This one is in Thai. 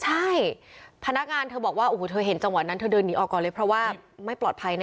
ใช่พนักงานเธอบอกว่าโอ้โหเธอเห็นจังหวะนั้นเธอเดินหนีออกก่อนเลยเพราะว่าไม่ปลอดภัยนะ